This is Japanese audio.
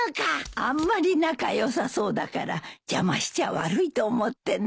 あんまり仲良さそうだから邪魔しちゃ悪いと思ってね。